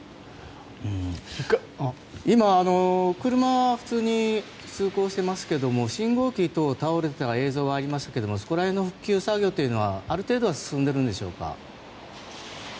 今、車は普通に通行していますが信号機等倒れた映像がありましたけれどもそこら辺の復旧作業はある程度は進んでいるんでしょうか。